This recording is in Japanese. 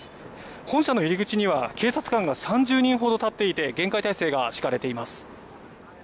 本社の入り口には警察官が３０人ほど立っていて、厳戒態勢がしかれています。